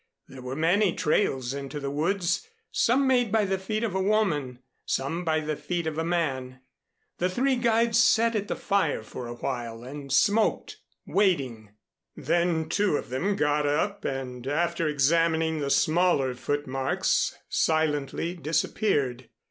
There were many trails into the woods some made by the feet of a woman, some by the feet of a man. The three guides sat at the fire for awhile and smoked, waiting. Then two of them got up and after examining the smaller foot marks silently disappeared.